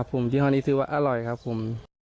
ผมยี่ห้อนี้ซื้อว่าอร่อยครับผม